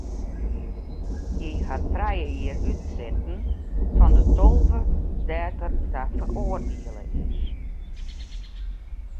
Hy hat trije jier útsitten fan de tolve dêr't er ta feroardiele is.